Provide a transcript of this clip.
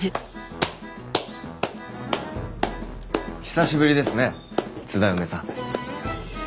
久しぶりですね津田梅さん。